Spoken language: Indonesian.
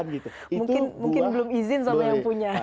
mungkin belum izin sama yang punya